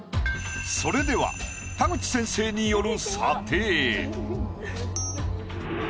それでは田口先生による。